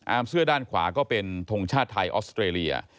เสื้อด้านขวาก็เป็นทงชาติไทยออสเตรเลีย